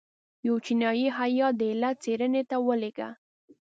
یو چینایي هیات د علت څېړنې ته ولېږه.